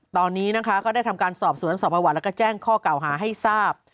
ตอนนี้นะคะก็ได้ทำการสอบสวนสอบประวัติแล้วก็แจ้งข้อเก่าหาให้ทราบ